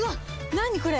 何これ？